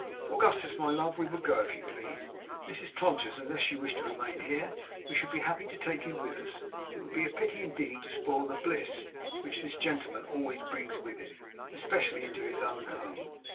Augustus, my love, we will go, if you please. Mrs Todgers, unless you wish to remain here, we shall be happy to take you with us. It would be a pity, indeed, to spoil the bliss which this gentleman always brings with him, especially into his own home.